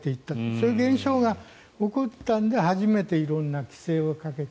そういう現象が起こったので初めて色んな規制をかけた。